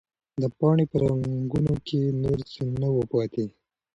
د پاڼې په رګونو کې نور څه نه وو پاتې.